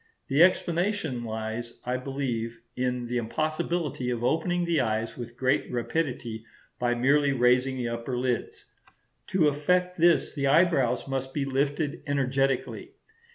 The explanation lies, I believe, in the impossibility of opening the eyes with great rapidity by merely raising the upper lids. To effect this the eyebrows must be lifted energetically.